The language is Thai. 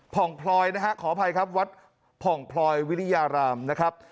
ผ่องพลอยนะฮะขออภัยครับวัดผ่องพลอยวิริยารามนะครับ